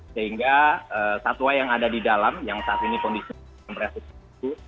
sehingga satwa yang ada di dalam yang saat ini kondisi yang berasus itu